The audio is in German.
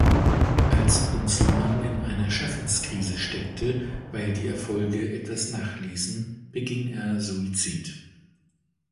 Als Unzelmann in einer Schaffenskrise steckte, weil die Erfolge etwas nachließen, beging er Suizid.